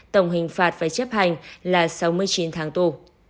tổng hình phạt phải chấp hành là sáu mươi chín tháng tù